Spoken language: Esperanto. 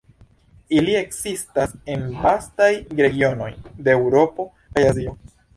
Ili ekzistas en vastaj regionoj de Eŭropo kaj Azio.